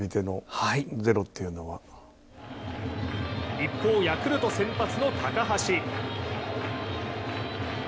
一方、ヤクルト先発の高橋。